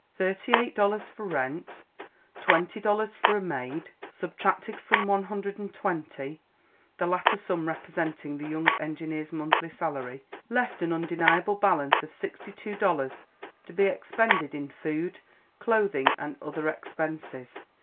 Thirty eight dollars for rent, and twenty dollars for a maid, subtracted from one hundred and twenty the latter sum representing the young engineer's monthly salary left an undeniable balance of sixty two dollars to be expended in food, clothing and other expenses.